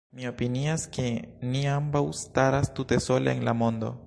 Mi opinias, ke ni ambaŭ staras tute sole en la mondo.